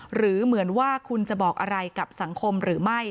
หรือเหมือนว่าคุณจะบอกอะไรกับสังคมหรือไม่